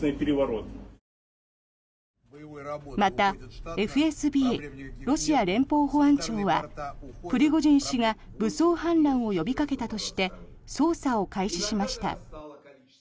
またＦＳＢ・ロシア連邦保安庁はプリゴジン氏が武装反乱を呼びかけたとして捜査を開始しました。